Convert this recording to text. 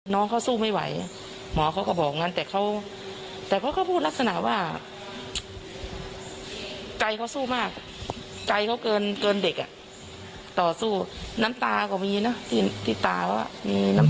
น้องเขาสู้ไม่ไหวหมอเขาก็บอกงั้นแต่เขา